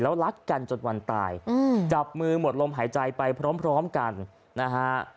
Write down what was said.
รักกันจนวันตายจับมือหมดลมหายใจไปพร้อมกันนะฮะ